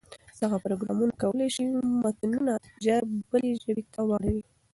دغه پروګرامونه کولای شي متنونه ژر بلې ژبې ته واړوي.